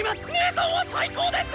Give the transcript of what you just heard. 姐さんは最高です！